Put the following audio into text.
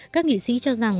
các nghị sĩ cho rằng